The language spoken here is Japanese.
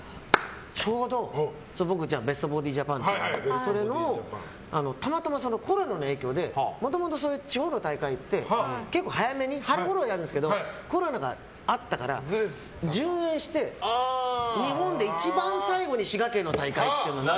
ちょうどベストボディ・ジャパンがたまたまコロナの影響でもともと地方の大会って結構早めに春ごろやるんですけどコロナがあったから順延して日本で一番最後に滋賀県の大会で。